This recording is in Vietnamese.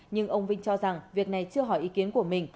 nhưng ông vinh cho rằng việc này chưa hỏi ý kiến của mình